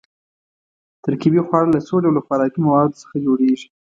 ترکیبي خواړه له څو ډوله خوراکي موادو څخه جوړیږي.